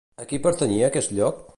A qui pertanyia aquest lloc?